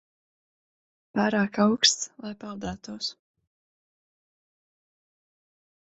Pārāk auksts, lai peldētos.